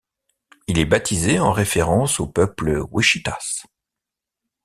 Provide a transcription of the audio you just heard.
Il est baptisé en référence au peuple Wichitas.